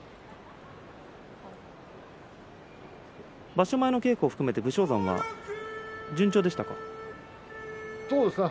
場所前の稽古を含めて武将山は順調だったんですか？